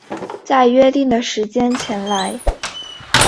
在约定的时间前来